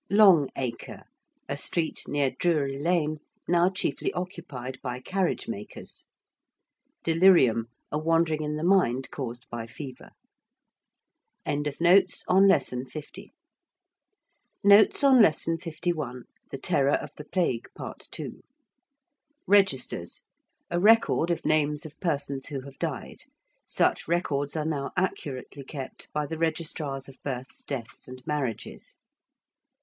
~Long Acre~: a street near Drury Lane, now chiefly occupied by carriage makers. ~delirium~: a wandering in the mind caused by fever. 51. THE TERROR OF THE PLAGUE. PART II. ~Registers~: a record of names of persons who have died. Such records are now accurately kept by the registrars of births, deaths, and marriages.